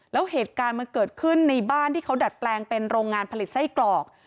แล้วเหตุการณ์มันเกิดขึ้นในบ้านที่เขาดัดแปลงเป็นโรงงานผลิตไส้กรอก